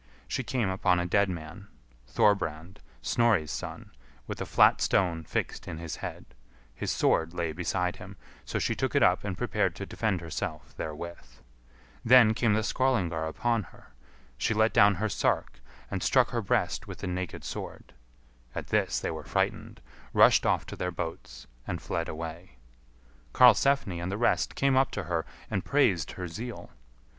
She came upon a dead man; Thorbrand, Snorri's son, with a flat stone fixed in his head; his sword lay beside him, so she took it up and prepared to defend herself therewith. Then came the Skrœlingar upon her. She let down her sark and struck her breast with the naked sword. At this they were frightened, rushed off to their boats, and fled away. Karlsefni and the rest came up to her and praised her zeal.